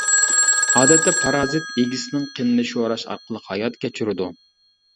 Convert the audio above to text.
ئادەتتە پارازىت ئىگىسىنىڭ قېنىنى شوراش ئارقىلىق ھايات كەچۈرىدۇ.